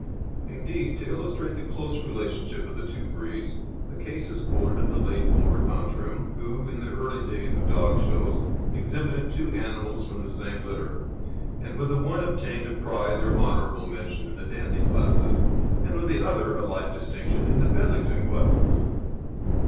Indeed to illustrate the close relationship of the two breeds a case is quoted of the late Lord Antrim, who, in the early days of dog shows, exhibited two animals from the same litter, and with the one obtained a prize or honourable mention in the Dandie classes, and with the other a like distinction in the Bedlington classes.